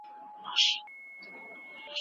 آیا کتابتون تر کور ډېر ارام وي؟